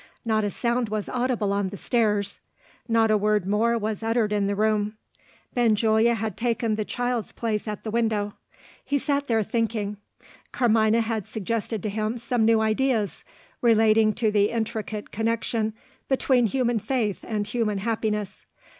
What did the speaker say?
Not a sound was audible on the stairs. Not a word more was uttered in the room. Benjulia had taken the child's place at the window. He sat there thinking. Carmina had suggested to him some new ideas, relating to the intricate connection between human faith and human happiness.